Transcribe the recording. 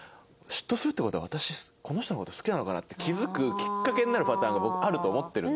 「嫉妬するって事は私この人の事好きなのかな？」って気付くきっかけになるパターンが僕あると思ってるんですよ。